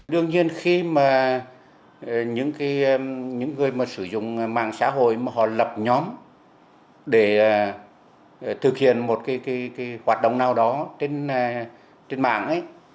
đương nhiên khi mà những người mà sử dụng mạng xã hội mà họ lập nhóm để thực hiện một hoạt động nào đó trên mạng ấy